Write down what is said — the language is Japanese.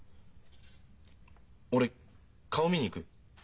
俺顔見に行く。